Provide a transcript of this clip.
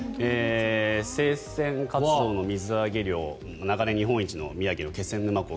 生鮮カツオの水揚げ量長年日本一の宮城の気仙沼港。